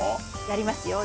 やりますよ。